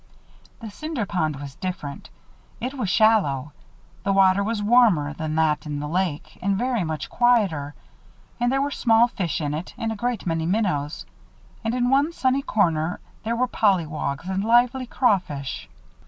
The Cinder Pond was different. It was shallow. The water was warmer than that in the lake and very much quieter. There were small fish in it and a great many minnows. And in one sunny corner there were pollywogs and lively crawfish.